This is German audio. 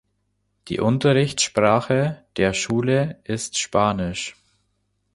Die Unterrichtssprache der Schule ist Spanisch.